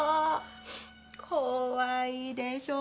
怖いでしょ？